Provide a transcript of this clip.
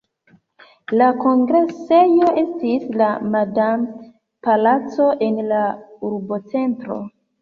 La kongresejo estis la Madam-palaco en la urbocentro.